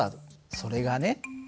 それがね